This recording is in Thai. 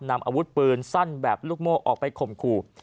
นำอาวุธปืนสั้นแบบลูกโม่ออกไปข่มขู่